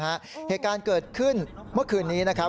เหตุการณ์เกิดขึ้นเมื่อคืนนี้นะครับ